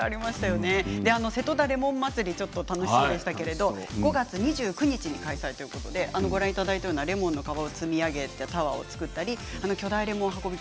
せとだレモン祭楽しそうでしたけれど５月２９日に開催ということでご覧いただいたようなレモンの皮を積み上げてタワーを作ったり巨大レモン運び